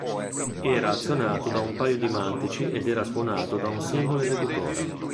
Era azionato da un paio di mantici ed era suonato da un singolo esecutore.